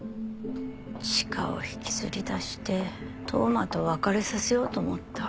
チカを引きずり出して当麻と別れさせようと思った。